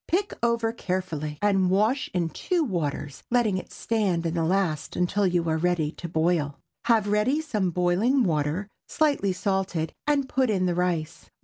Pick over carefully and wash in two waters, letting it stand in the last until you are ready to boil. Have ready some boiling water slightly salted, and put in the rice.